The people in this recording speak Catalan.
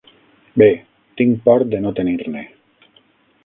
Bé, tinc por de no tenir-ne.